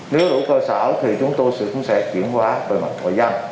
nếu đủ cơ sở thì chúng tôi sẽ chuyển qua về mặt ngoại gian